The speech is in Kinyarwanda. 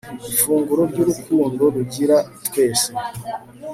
ifunguro ry'urukundo; rugira twese